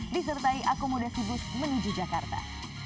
disertai akomodasi bus menuju jakarta